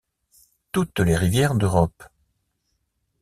Toutes les rivières d'Europe.